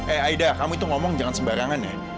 eh aida kamu tuh ngomong jangan sembarangan ya